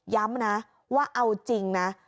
ย้ำนะว่าเอาจริงนะ